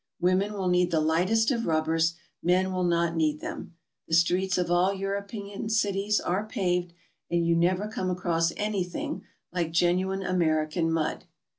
Women will need the lightest of rubbers; men will not need them. The streets of all European cities are paved, and you never come across anything like genuine American mud.